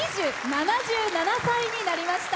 ７７歳になりました。